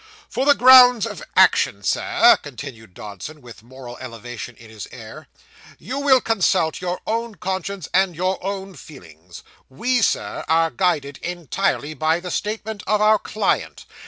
'For the grounds of action, sir,' continued Dodson, with moral elevation in his air, 'you will consult your own conscience and your own feelings. We, Sir, we, are guided entirely by the statement of our client.